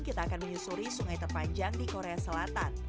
kita akan menyusuri sungai terpanjang di korea selatan